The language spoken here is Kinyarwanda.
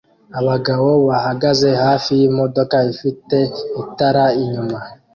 Abagabo bahagaze hafi yimodoka ifite itara inyuma